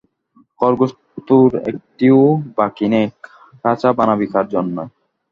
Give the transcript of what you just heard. খরগোশ তোর একটিও বাকি নেই, খাঁচা বানাবি কার জন্যে?